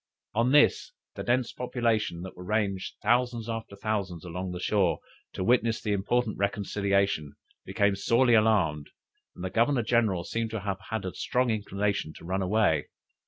On this the dense population that were ranged thousands after thousands along the shore, to witness the important reconciliation, became sorely alarmed, and the Governor general seems to have had a strong inclination to run away.